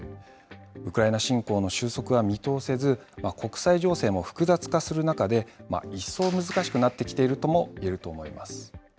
ウクライナ侵攻の収束は見通せず、国際情勢も複雑化する中で、一層難しくなってきているともいえると思います。